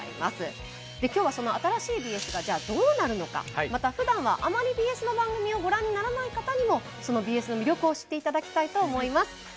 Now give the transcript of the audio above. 今日はその新しいＢＳがどうなるのかまた、ふだんはあまりＢＳの番組をご覧にならない方にもその魅力を知っていただきたいと思います。